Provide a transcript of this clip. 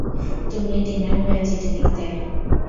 তুমি টিনার হয়ে চিঠি লিখতে।